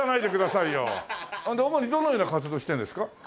それで主にどのような活動をしてるんですか？